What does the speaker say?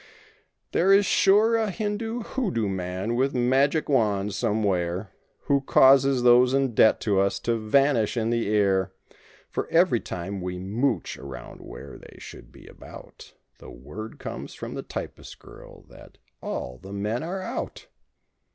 There is sure a Hindu hoo doo man with magic wand somewhere, Who causes those in debt to us to vanish in the air; For every time we mooch, around where they should be about The word comes from the typist girl that "All the men are out!"